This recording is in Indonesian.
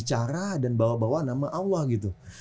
bercaya dirinya bicara dan bawa bawa nama allah gitu